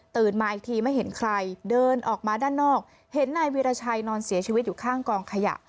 มาอีกทีไม่เห็นใครเดินออกมาด้านนอกเห็นนายวีรชัยนอนเสียชีวิตอยู่ข้างกองขยะ